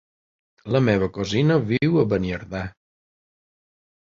La meva cosina viu a Beniardà.